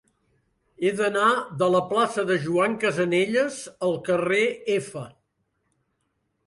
He d'anar de la plaça de Joan Casanelles al carrer F.